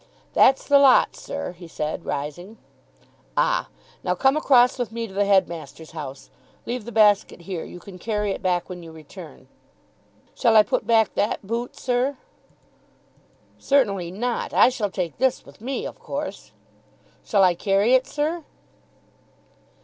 "That's the lot, sir," he said, rising. "Ah. Now come across with me to the headmaster's house. Leave the basket here. You can carry it back when you return." "Shall I put back that boot, sir?" "Certainly not. I shall take this with me, of course." "Shall I carry it, sir?"